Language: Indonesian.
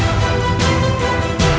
aku akan pergi ke istana yang lain